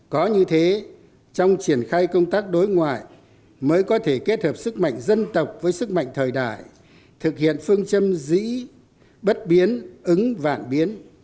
có như thế trong triển khai công tác đối ngoại mới có thể kết hợp sức mạnh dân tộc với sức mạnh thời đại thực hiện phương châm dĩ bất biến ứng vạn biến